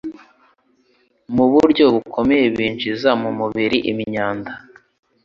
mu buryo bukomeye. Byinjiza mu mubiri imyanda.